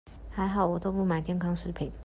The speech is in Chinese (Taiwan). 還好我都不買健康食品